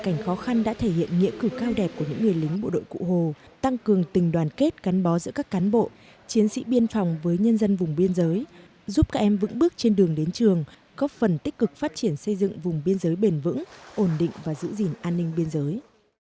những cảnh khó khăn đã thể hiện nghĩa cử cao đẹp của những người lính bộ đội cụ hồ tăng cường tình đoàn kết gắn bó giữa các cán bộ chiến sĩ biên phòng với nhân dân vùng biên giới giúp các em vững bước trên đường đến trường góp phần tích cực phát triển xây dựng vùng biên giới bền vững ổn định và giữ gìn an ninh biên giới